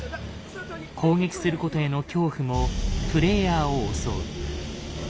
攻撃することへの恐怖もプレイヤーを襲う。